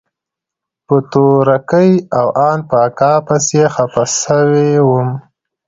په تورکي او ان په اکا پسې خپه سوى وم.